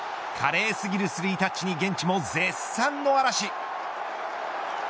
華麗過ぎるスリータッチに現地も絶賛の嵐。